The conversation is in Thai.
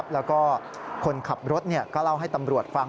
แล้วก็คนขับรถก็เล่าให้ตำรวจฟัง